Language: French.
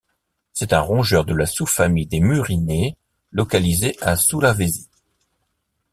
C'est un rongeur de la sous-famille des Murinés, localisé à Sulawesi.